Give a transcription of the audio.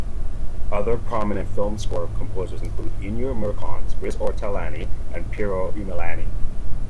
Other prominent film score composers include Ennio Morricone, Riz Ortolani and Piero Umiliani.